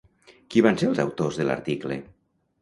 Qui van ser els autors de l'article?